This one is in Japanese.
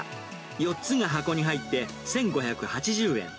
４つが箱に入って１５８０円。